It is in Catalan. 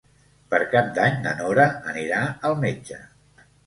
Per Cap d'Any na Nora anirà al metge.